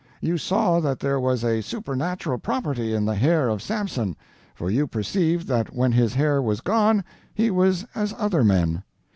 You saw that there was a supernatural property in the hair of Samson; for you perceived that when his hair was gone he was as other men.